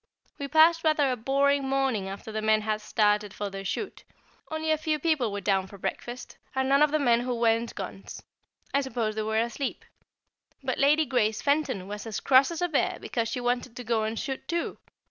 We passed rather a boring morning after the men had started for their shoot. Only a few people were down for breakfast, and none of the men who weren't guns. I suppose they were asleep. But Lady Grace Fenton was as cross as a bear because she wanted to go and shoot too.